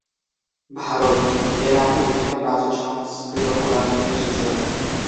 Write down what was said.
ভারত: এ নামটি বিভিন্ন প্রাচীন সংস্কৃত পুরাণ থেকে এসেছে।